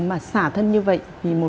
mà xả thân như vậy